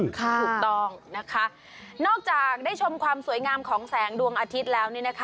ถูกต้องนะคะนอกจากได้ชมความสวยงามของแสงดวงอาทิตย์แล้ว